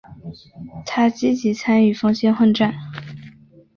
他积极参与封建混战。